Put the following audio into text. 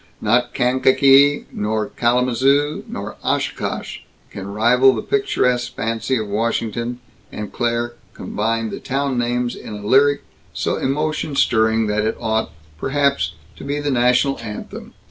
Not Kankakee nor Kalamazoo nor Oshkosh can rival the picturesque fancy of Washington, and Claire combined the town names in a lyric so emotion stirring that it ought, perhaps, to be the national anthem.